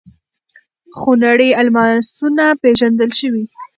خونړي الماسونه پېژندل شوي.